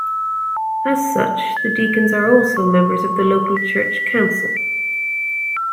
As such, the deacons are also members of the local church council.